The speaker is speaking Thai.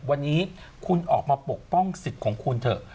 วันนี้คุณออกมาปกป้องสิทธิ์ของคุณเถอะ